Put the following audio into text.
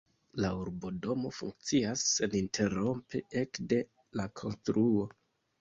La urbodomo funkcias seninterrompe ekde la konstruo.